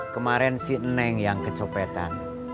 kemarin si neng yang kecopetan